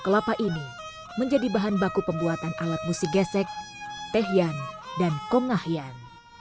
kelapa ini menjadi bahan baku pembuatan alat musik gesek tehian dan kongahian